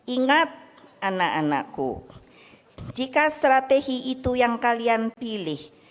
ingat anak anakku jika strategi itu yang kalian pilih